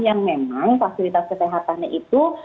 yang memang fasilitas kesehatannya itu